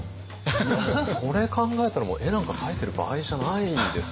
いやもうそれ考えたら絵なんか描いてる場合じゃないですよね。